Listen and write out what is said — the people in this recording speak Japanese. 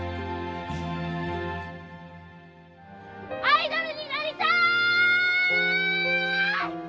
アイドルになりたい！